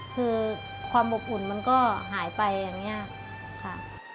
คือความอบอุ่นมันก็หายไปอย่างนี้ค่ะ